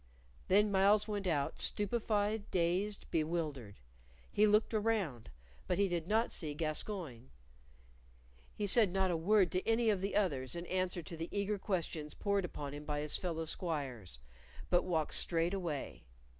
Then Myles went out stupefied, dazed, bewildered. He looked around, but he did not see Gascoyne. He said not a word to any of the others in answer to the eager questions poured upon him by his fellow squires, but walked straight away.